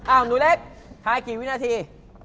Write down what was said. หนูเล็กทายกี่วินาที